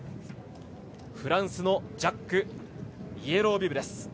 フランスのジャックイエロービブです。